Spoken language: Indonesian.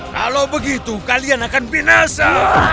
kalau begitu kalian akan binasa